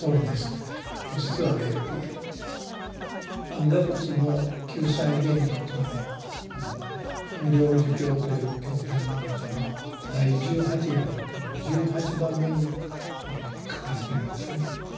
阿弥陀仏の救済原理というのは「無量寿経」という経典の中の第十八願という１８番目に書かれてるんですね。